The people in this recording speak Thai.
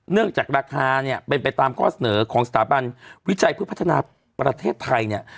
เนื่องจากราคาเป็นไปตามข้อเสนอของสถาบันวิจัยพฤติพัฒนาประเทศไทย